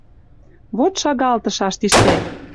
Вот шалгалтышаш тиштӓк.